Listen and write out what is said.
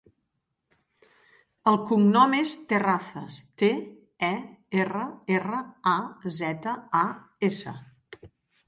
El cognom és Terrazas: te, e, erra, erra, a, zeta, a, essa.